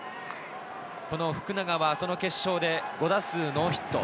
この福永はその決勝で５打数ノーヒット。